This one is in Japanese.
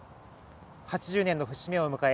８０年の節目を迎え